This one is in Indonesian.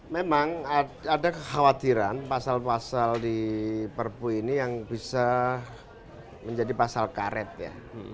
memang ada kekhawatiran pasal pasal di perpu ini yang bisa menjadi pasal karet ya